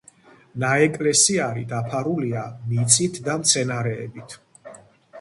ნაეკლესიარი დაფარულია მიწით და მცენარეებით.